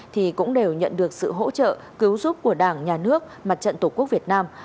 thì cũng đều nhận được sự hỗ trợ cứu giúp của đảng nhà nước mặt trận tổ quốc việt nam